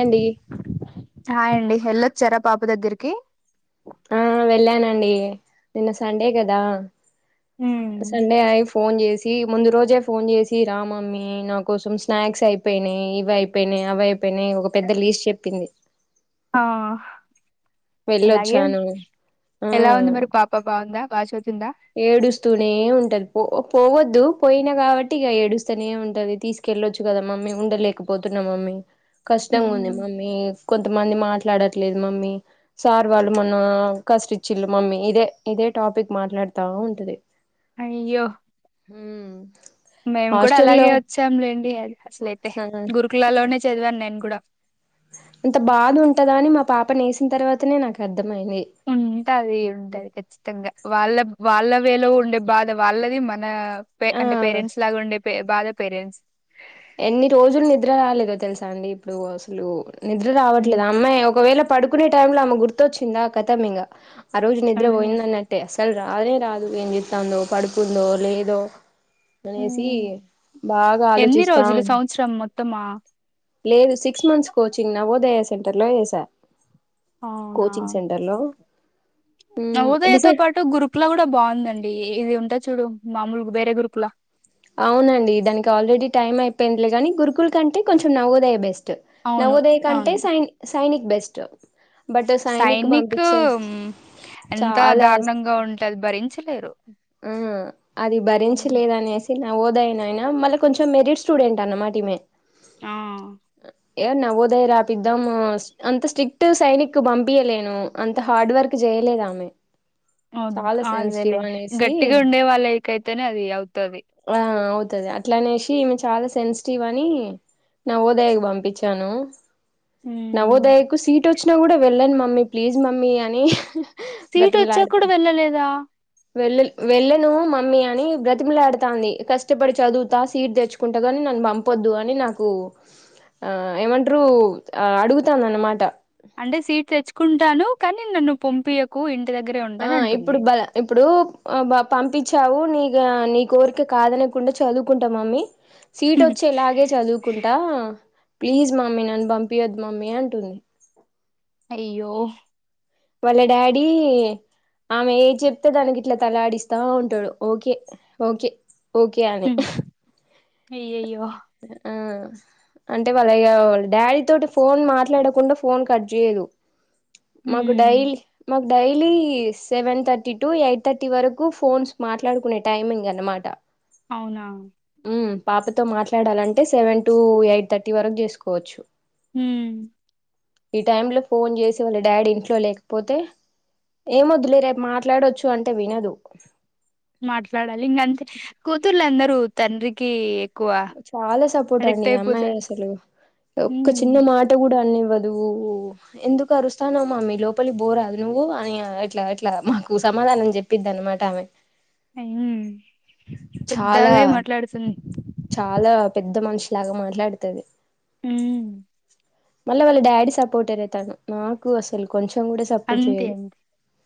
అండి హాయండి వెళ్ళొచ్చారా పాప దగ్గరికి ఆ వెళ్ళానండి నిన్న సండే కదా ఉమ్ సండే అయి ఫోన్ చేసి ముందు రోజే ఫోన్ చేసి రా మమ్మీ నా కోసం స్నాక్స్ అయిపోయినాయి ఇవి అయిపోయినాయి అయ్ పోయినాయి ఒక పెద్ద లీస్ట్ చెప్పింది ఆ అలాగే వెళ్ళొచ్చాను ఆ ఎలా ఉంది మరి పాప బాగుందా బాగ చదువుతుందా ఏడుస్తూనే ఉంటది పో పోవద్దు పోయిన కాబట్టి ఇగ ఏడుస్తనే ఉంటది తీస్ కేళ్ళొచ్చు కదా మమ్మీ ఉండలేకపోతున్నా మమ్మీ కష్టంగా ఉంది ఉమ్ మమ్మీ కొంతమంది మాట్లాడట్లేదు మమ్మీ సార్ వాళ్ళు మొన్న కసిరిచిల్లు మమ్మీ ఇదే ఇదే టాపిక్ మాట్లాడుతా ఉంటది అయ్యో మ్ మేము కూడా అలాగే వచ్చాంలేండి అది అసలైతే ఆ గురుకులాలోనే చదివాను నేను కూడా ఇంత బాధ ఉంటదా అని మా పాప నేసిన తర్వాతనే నాకు అర్థమయింది ఉంటాది ఉంటది కచ్చి ఖచ్చితంగా వాళ్ళ వాళ్ళ వేలో ఉండే బాధ వాళ్ళది మన ఆ అంటే పేరెంట్స్ లాగుండే బాద పేరెంట్స్ ఎన్ని రోజులు నిద్ర రాలేదో తెలుసా అండి ఇప్పుడు అసలు నిద్ర ఉమ్ రావట్లేదు అమ్మాయి ఒకవేళ పడుకునే టైమ్ లో ఆమె గుర్తొచ్చిందా ఆ ఖతం ఇగా ఆ రోజు నిద్ర ఉమ్, పోయిందన్న అంటే అసలు రానే రాదు ఏం చేతాందో పడుకుందో లేదో అనేసి ఉమ్. బాగా ఆలోచిస్ శ్రం మొత్తమా లేదు six months coaching Navodaya centre లో వేసా అవునా కోచింగ్ సెంటర్ లో ఉమ్ డిసైడ్ గురుకుల కూడా బాగుందండి ఇది ఉంటది చూడు మామూలుగా వేరే గురుకులా అవునండి దానికి ఆల్రెడీ టైం అయిపోయిందిలే గాని గురుకుల కంటే కొంచెం నవోదయ బెస్ట్ అవును నవోదయ కంటే అవును సై సైనిక్ బెస్ట్ బట్ సైనిక్ పంపించే ఎంత చాలా దారుణంగా ఉంటది భరించలేరు ఉం అది అవును భరించలేదనేసి నవోదయనైన మల్ల కొంచెం మెరిట్ స్టూడెంట్ అన్నమాటీమే ఆ ఏ నవోదయ రాపిద్దాం అంత స్ట్రిక్ట్ సైనిక్ పంపియలేను అంత హార్డ్ వర్క్ చేయలేదు ఆమె వద్ చాలా సెన్సిటివ్ అదేలే అనేసి గట్టిగా ఉండే వాళ్ళకైతేనే అది అవుతది ఆ అవుతది అట్లనేసి ఈమె చాలా సెన్సిటివ్ అని నవోదయకి పంపించాను ఊ నవోదయకు సీట్ వొచ్చిన కూడా వెళ్ళను మమ్మీ ప్లీజ్ మమ్మీ అని సీట్ వచ్చాక బ్రతిమిలాడుతా కూడా వెళ్ళలేదా వెళ్ళ వెళ్ళను మమ్మీ అని బ్రతిమలాడతాంది కష్టపడి చదువుతా సీట్ తెచ్చు కుంటగానీ నన్ను పంపొద్దు అని నాకు ఏమంటారు అడుగుతాను అన్నమాట అంటే సీట్ తెచ్చుకుంటాను కానీ నన్ను పంపియకు ఇంటి దగ్గరే ఆ ఉంటను ఇప్పుడు అంటుంది బల ఇప్పుడు ప పంపించావు నిగ నీ కోరిక కాదనకుండా చదువుకుంటా మమ్మీ సీట్ వచ్చేలాగే చదువుకుంటా ప్లీజ్ మమ్మీ నన్ను పంపియొద్ మమ్మీ అంటుంది అయ్యో వాళ్ళ డాడీ ఆమె ఏ చెప్తే దానికి ఇట్లా తలాడిస్తా ఉంటాడు ఓకే ఓకే ఓకే అని హ్మ్. అయ్యయ్యో ఊ అంటే వాళ్ళ ఆ డాడీ తోటి ఫోన్ మాట్లాడకుండా ఫోన్ కట్ చేయదు మాకు హ్మ్. డైలీ మ daily seven thirty to eight thirty వరకు ఫోన్స్ మాట్లాడుకునే టైమింగ్ అనమాట అవునా పాపతో మాట్లాడాలంటే సెవెన్ టు ఎయిట్ థర్టీ వరకు చేసుకోవచ్చు ఊ ఈ టైమ్ లో ఫోన్ చేసి వాళ్ళ డాడీ ఇంట్లో లేకపోతే ఏం వద్దులే రేపు మాట్లాడొచ్చు అంటే వినదు మాట్లాడాలి ఇంకా అంతే కూతుర్లు అందరూ తండ్రికి ఎక్కువ చాలా సపోర్ట్ అండి అడిక్ట్ ఈ అమ్మాయి అయిపోతారు అసలు ఒక్క చిన్న హ్మ్ మాట్ ట కూడా అన్నివ్వదు ఎందుకు అరుస్తాన్నావ్ మమ్మీ లోపలి బోరాదు నువ్వు అని ఇట్లా ఇట్లా మాకు సమాధానం చెప్పిది అన్నమాట ఆమె [unintelligible] చాలా పెద్దగా మాట్లాడుతుంది చాలా పెద్ద మనిషి లాగా మాట్లాడుతది ఉ మల్ల వాళ్ళ డాడీ సపోర్టే లే తను నాకు అసలు కొంచెం కూడా సపోర్ట్ అంతే చేయదు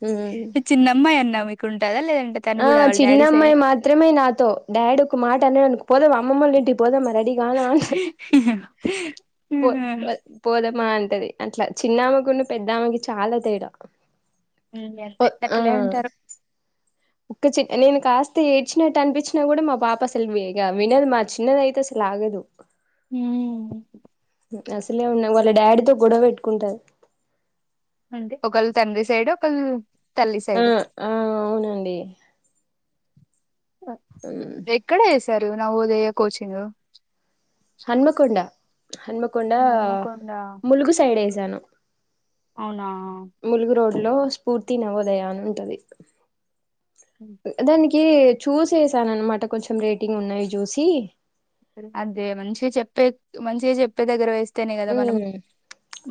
హ్మ్. మీ చిన్నమ్మాయి అన్నా మీకు ఉంటదా లేదంటే తను కూడా వాళ్ళ డాడీ సైడే త్రమే నాతో డాడ్ ఒక మాట అన్నాడనుకో పోదా అమ్మమ్మ వాళ్ళ ఇంటికి పోదామా రెడీ లాలాల్సే పో ఉమ్, పో పోదామా అంటది అట్లా చిన్నావా కన్నా పెద్ద ఆమెకి చాలా తేడా అంతే ఆ అట్లే ఉంటారు ఒక చిన్ నేను కాస్త ఏ డ్చినట్టు అనిపించినా కూడా మా పాప అసలు వేగ వినదు మా చిన్నది అయితే అసలు ఆగదు ఉ అసలే ఉన్నవాళ్ళ డాడీతో గొడవ పెట్టుకుంటది అంతే ఒకళ్ళు తండ్రి సైడు ఒకళ్ళు తల్లి ఆ సైడు ఆ అవునండి [unintelligible] ఎక్కడ వేశారు నవోదయ కోచింగ్ హనుమకొండ హనుమకొండ హన్మకొండ ములుగు సైడ్ వేసాను అవునా ములుగు రోడ్ లో స్ఫూర్తి నవోదయ అని ఉంటది హ్మ్ దానికి చూసేసాను అన్నమాట కొంచెం రేటింగ్ ఉన్నాయి చూసి అంతే మంచిగా చెప్పే మంచిగా చెప్పే దగ్గర వేస్ స్తేనే కదా మనం ఉమ్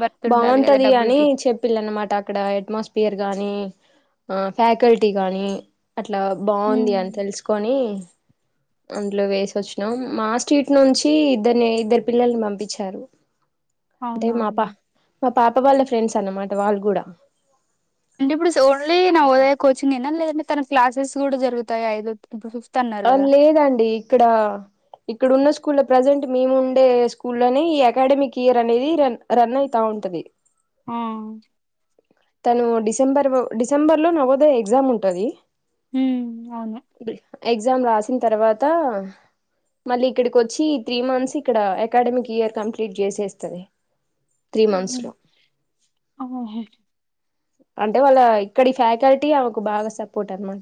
వర్త్ ఉండాలి కదా డబ్బులకి పిల్ల అన్నమాట అక్కడ ఎట్మాస్ఫియర్ గానీ ఆ ఫ్యాకల్టీ గాని అట్లా బాగుంది ఉమ్ అని తెలుసుకొని అందులో వేసి వచ్చినం మా స్ట్రీట్ నుంచి ఇద్దరిని ఇద్దరు పిల్లల్ని పంపించారు అంటే అవునా మా పా మా పాప వాళ్ళ ఫ్రెండ్స్ అన్నమాట వాళ్ళు కూడా అంటే ఇప్పుడు సొ ఓన్లీ నవోదయ కోచింగ్ ఏనా లేదంటే తనకి క్లాసెస్ కూడా జరుగుతాయి ఐదు ఇప్పుడు ఫిఫ్త్ అన్ ఆ లేదండి ఇక్కడ ఇక్కడున్న స్కూల్లో ప్రజెంట్ మేముండే స్కూల్లోనే ఈ అకాడమిక్ ఇయర్ అనేది రన్ రన్ అయితా ఉంటది ఉ తను డిసెంబర్ వో డిసెంబర్ లో నవోదయ ఎగ్జామ్ ఉంటది ఉ అవును డి ఎగ్జామ్ రాసిన తర్వాత మళ్లీ ఇక్కడికి వచ్చి త్రీ మంత్స్ ఇక్కడ అకాడమిక్ ఇయర్ కంప్లీట్ చేసేస్తాది త్రీ మంత్స్ లో అవునుహెయిర్ అంటే వాళ్ళ ఇక్కడ ఫ్యాకల్టీ ఆమెకు బాగా సపోర్ట్ అనమాట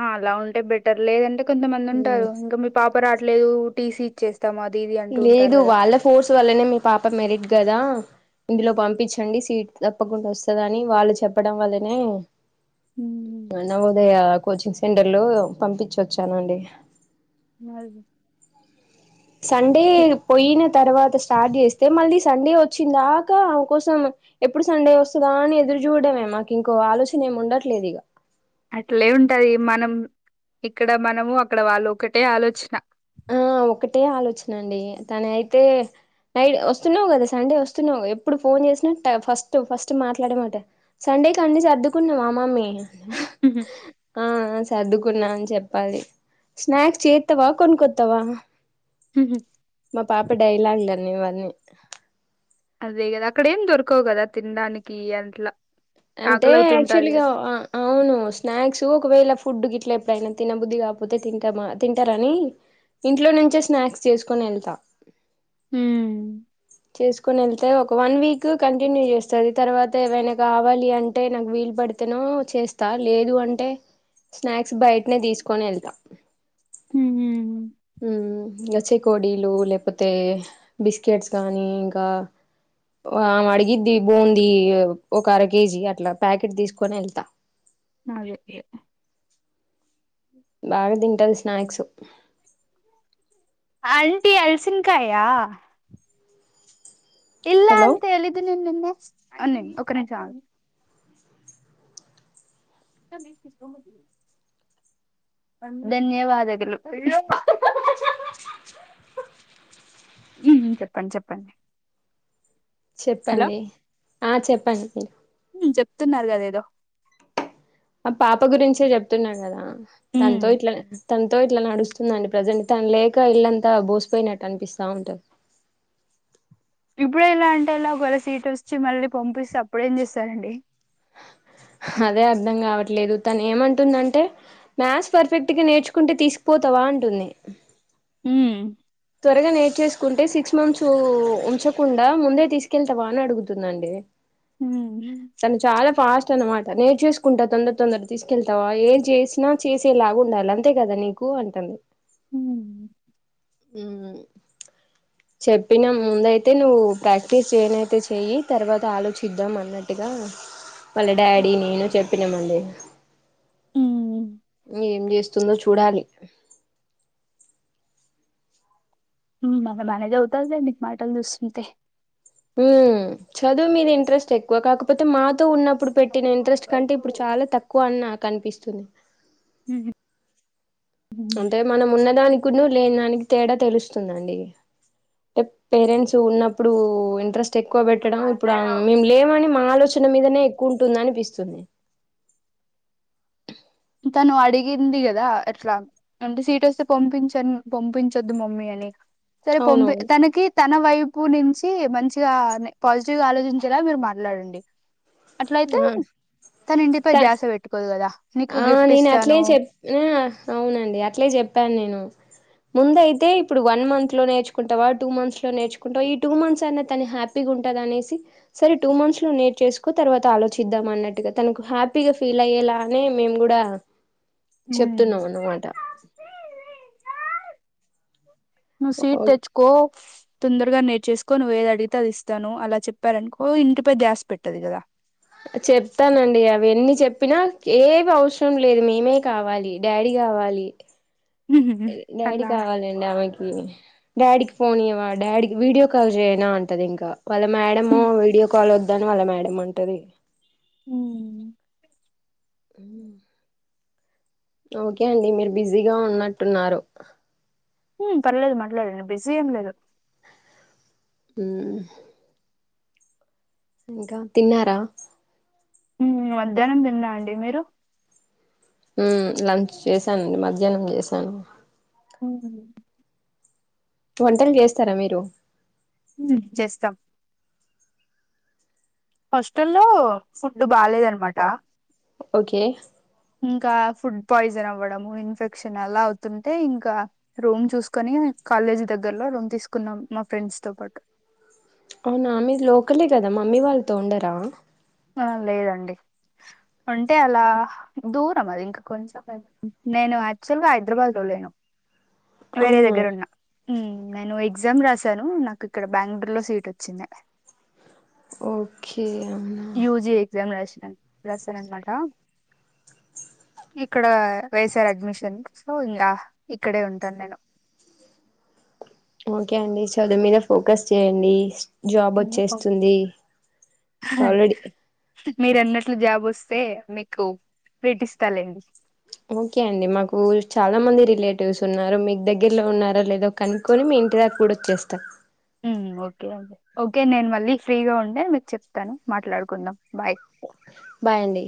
ఆ అలా ఉంటే బెటర్ లేదంటే కొంతమంది ఉంటారు ఇంకా మీ పాప రాట్లేదు టీసీ ఇచ్చేస్ తమది ఇది అంటూ ఉంటారు లేదు కదా వాళ్ళ ఫోర్స్ వల్లనే మీ పాప మెరిట్ కదా ఇందులో పంపించండి సీట్ తప్పకుండా వస్తదని వాళ్ళు చెప్పడం వల్లనే ఉమ్ నవోదయ కోచింగ్ సెంటర్లు పంపించ్చి వచ్చానండి అ [unintelligible] సండే పోయిన తర్వాత స్టార్ట్ చేస్తే మళ్ళీ సండే వచ్చి దాకా ఆమె కోసం ఎప్పుడు సండే వస్తదా అని ఎదురు చూడడమే మాకు ఇంకో ఆలోచన ఏమి ఉండట్లేదు ఇగ అట్లే ఉంటది మనం ఇక్కడ మనము అక్కడ వాళ్ళు ఒకటే ఆలోచన ఆ ఒకటే ఆలోచన అండి తనయి అయితే నై వస్తున్నావు కదా సండే వస్తున్నావుగా ఎప్పుడు ఫోన్ చేసినా ఫస్ట్ ఫస్ట్ మాట్లాడేది మాటే సండేకి అన్నీ సర్దుకున్నవా మమ్మీ ఉహు ఆ సర్దుకున్నా అని చెప్పాలి స్నాక్స్ చేత్తవా కొనుక్కొత్ తవా హుహు మా పాప డైలాగ్లన్నీ ఇవన్నీ అదే కదా అక్కడ ఏం దొరకవు కదా తినడానికి అనట్లా అంటే యాక్చుల్గా ఆ అవును స్నాక్స్ ఒకవేళ ఫుడ్ గిట్లా ఎప్పుడైనా తినబుద్ధి కాకపోతే తింటామా తింటరని ఇంట్లో నుంచే స్నాక్స్ చేసుకొని ఎళ్తా ఉ చేసుకుని వెళ్తే ఒక వన్ వీక్ కంటిన్యూ చేస్తది తర్వాత ఏవైనా కావాలి అంటే నాకు వీలుపడి తనో చేస్తా లేదు అంటే స్నాక్స్ బయటనే తీసుకొని వెళ్తా ఊ ఉమ్ గచ్చెకోడీలు లేకపోతే బిస్కెట్స్ కానీ ఇంకా ఆమె అడిగిద్ది బోంది ఒక అర కేజీ అట్లా ప్యాకెట్ తీసుకొని ఏళ్తా అదె లాగా తింటది స్నాక్స్ అంటీ అలసిన్కాయా ఇల్ హలో అంతేలీదు నేను నిన్నే అన్నిన్ ఒక నిమిషం ఆగండి [unintelligible] ధన్యవాదగులు ఉమ్ చెప్పండి చెప్పండి హలో చెప్పండి ఆ చెప్పండి మీరు చెప్తున్నారు కద ఏదో ఆ పాప గురించే చెప్తున్నా కదా ఉమ్. తన్తో ఇట్లా తనతో ఇట్లా నడుస్తు దండి ప్రజెంట్ తను లేక ఇల్లంతా బోసిపోయినట్టు అనిపిస్తా ఉంటది ఇప్పుడే ఇలా అంటే ఎలా ఒకవేలా సీట్ వచ్చి మళ్ళీ పంపిస్తే అప్పుడేం చేస్తారండి అదే అర్ధం కావట్లేదు తను ఏమంటుందంటే మ్యాథ్స్ పర్ఫెక్ట్గా నేర్చుకుంటే తీసుకుపోతవా అంటుంది ఉ త్వరగా నేర్చేసుకుంటే సిక్స్ మంత్స్ ఉంచకుండా ముందే తీసుకెళ్తావా అని అడుగుతుందండి ఉ చాలా ఫాస్ట్ అనమాట నేర్చేసుకుంటా తొందర తొందర తీసుకెళ్తావా ఏం చేసినా చేసేలాగా ఉండాలి అంతే కదా నీకు అంటంది ఉమ్ చెప్పినాం ముందు అయితే నువ్వు ప్రాక్టీస్ చేయనయితే చెయ్యి తర్వాత ఆలోచిద్దాం అన్న నట్టుగా వాళ్ళ డాడీ నేను చెప్పినామండి ఉమ్. ఏం చేస్తుందో చూడాలి ఉమ్ బాగానే బానే చదువుతాదిలేండి మాటలు చూస్తుంటే ఉమ్ చదువు మీద ఇంట్రెస్ట్ ఎక్కువ కాకపోతే మాతో ఉన్నప్పుడు పెట్టిన ఇంట్రెస్ట్ కంటే ఇప్పుడు చాలా తక్కువ అని నాకు అన్పిస్తుంది ఊహూ అంటే మనం ఉన్న దానికున్ను లేని దానికి తేడా తెలుస్తుందండి టే పేరెంట్స్ ఉన్నప్పుడు ఇంట్రెస్ ట్ ఎక్కువ పెట్టడం ఇప్పుడు ఆం మేము లేమని మా ఆలోచన మీదనే ఎక్కువ ఉంటుందనిపిస్తుంది తను అడిగింది కదా ఎట్లా అంటే సీట్ వస్తే పంపించన్ పంపించద్దు మమ్మీ అని సరే పంపి అవునవును తనకి తన వైపు నుంచి మంచిగా పాజిటివ్ గా ఆలోచించేలా మీరు మాట్లాడండి అట్లయితే తన ఇంటిపై ధ్యాస పెట్టుకోదు కదా ఆ నేను అట్లే చె ఊ అవునండి అట్లే చెప్పాను నేను ముందు అయితే ఇప్పుడు వన్ మంత్ లో నేర్చుకుంటావా టూ మంత్స్ లో నేర్చుకుంటావా ఈ టూ మంత్స్ అన్నా తను హ్యా పీ గుంటదనేసి సరే టూ మంత్స్ లో నేర్చేసుకో తర్వాత ఆలోచిద్దాం అన్నట్టుగా తనకు హ్యాపీగా ఫీల్ అయ్యేలా అనే మేము కూడా హ్మ్. చెప్తున్నాం అన్నమాట నువ్వు సీట్ తెచ్చుకో తొందరగా నేర్చేసుకో నువ్వ ఏది అడిగితే అది ఇస్తాను అలా చెప్పారనుకో ఇంటిపై ధ్యాస పెట్టదు కదా చెప్తానండి అవి ఎన్ని చెప్పినా కేవీ అవసరం లేదు మేమే కావాలి డాడీ కావాలి డాడీ అలా కావాలండి ఆమెకి డాడీకి ఫోన్ చేయవా డాడీకి వీడియో కాల్ చేయనా అంటది ఇంకా వాళ్ళ మేడము వీడియో కాల్ వద్దని వాళ్ళ మేడం అంటది ఊ ఊ ఓకే అండి మీరు బిజీగా ఉన్నట్టున్నారు ఊ పర్లేదు మాట్లాడండి బిసీ ఏం లేదు ఊ ఇంకా తిన్నారా మధ్యానం తిన్నా అండి మీరు ఊ లంచ్ చేశానండి మధ్యానం చేశాను అవును వంటలు చేస్తారా మీరు చేస్తాం హాస్టల్లో ఫుడ్డు బాలేదు అనమాట ఓకే ఇంకా ఫుడ్ పాయిజన్ అవ్వడము ఇన్ఫెక్షన్ అలా అవుతుంటే ఇంకా రూమ్ చూసుకొని కాలేజీ దగ్గరలో రూమ్ తీసుకున్నాం మా ఫ్రెండ్స్ తో పాటు అవునా మీది లోకలే కదా మమ్మీ వాళ్ళతో ఉండరా ఆ లేదండి అంటే అలా దూరం అది ఇంకా కొంచెం నేను యాక్చువల్ గా హైదరాబాద్ లో లేను వేరే అవునా దగ్గర ఉన్నా మ్ నేను ఎగ్జామ్ రాశాను నాకు ఇక్కడ బ్యాంగ్లుర్ లో సీట్ వచ్చింది ఓకే అన్నా యూజీ ఎక్జామ్ రసా రసా అన్నమాటా ఇక్కడ వైఎస్ఆర్ అడ్మిషన్ సో ఇంకా ఇక్కడే ఉంటాను నేను ఓకే అండి చదువు మీద ఫోకస్ చేయండి జాబ్ ఉమ్, వచ్చేస్తుంది ఆల్రెడీ మీరు అన్నట్లు జాబ్ వస్తే మీకు ట్రీట్ ఇస్తలేండి ఓకే అండి మాకు చాలా మంది రిలేటివ్స్ ఉన్నారు మీకు దగ్గరలో ఉన్నారా లేదా కనుక్కొని మీ ఇంటి దాకా గూడా వచ్చేస్తా ఓకే అండి ఓకే నేను మళ్ళీ ఫ్రీగా ఉంటే మీకు చెప్తాను మాట్లాడుకుందాం బాయ్ బాయ్ అండి